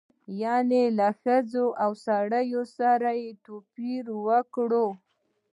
یعنې له ښځې او سړي سره توپیر وکړو.